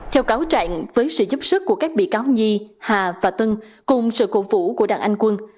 theo cáo trạng với sự giúp sức của các bị cáo nhi hà và tân cùng sự cổ vũ của đảng anh quân